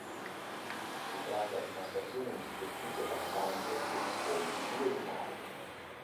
Si tratta di una stazione in superficie passante che dispone di due binari.